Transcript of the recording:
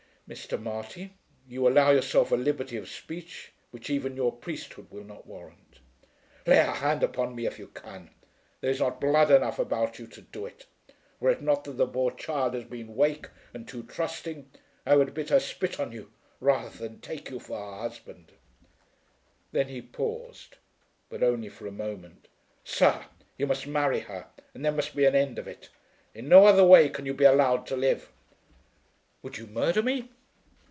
"Mr. Marty, you allow yourself a liberty of speech which even your priesthood will not warrant." "Lay a hand upon me if you can. There is not blood enough about you to do it. Were it not that the poor child has been wake and too trusting, I would bid her spit on you rather than take you for her husband." Then he paused, but only for a moment. "Sir, you must marry her, and there must be an end of it. In no other way can you be allowed to live." "Would you murder me?"